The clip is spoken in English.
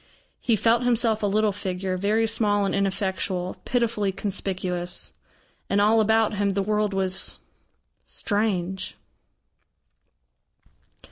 He felt himself a little figure, very small and ineffectual, pitifully conspicuous. And all about him, the world was strange.